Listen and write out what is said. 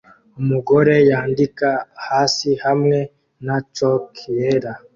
Umugore yandika hasi hamwe na chalk yera